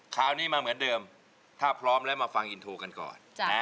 คราวนี้มาเหมือนเดิมถ้าพร้อมแล้วมาฟังอินโทรกันก่อน